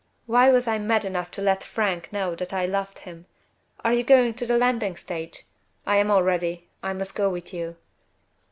Why was I mad enough to let Frank know that I loved him? Are you going to the landing stage? I am all ready I must go with you."